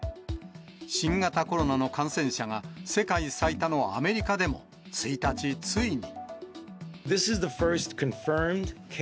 新型コロナの感染者が世界最多のアメリカでも１日、ついに。